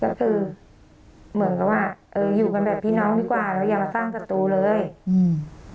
ก็คือเหมือนกับว่าเอออยู่กันแบบพี่น้องดีกว่าเราอย่ามาสร้างประตูเลยอืม